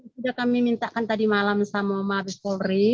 sudah kami mintakan tadi malam sama mabes polri